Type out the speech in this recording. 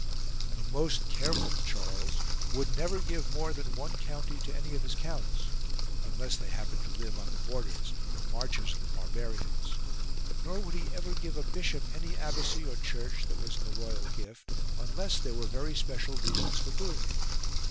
13. The most careful Charles would never give more than one county to any of his counts unless they happened to live on the borders or marches of the barbarians ; nor would he ever give a bishop any abbacy or church that was in the royal gift unless there were very special reasons for doing it.